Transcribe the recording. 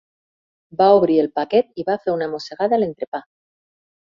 Va obrir el paquet i va fer una mossegada a l'entrepà.